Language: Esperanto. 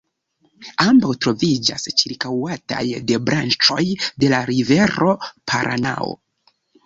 Ambaŭ troviĝas ĉirkaŭataj de branĉoj de la rivero Paranao.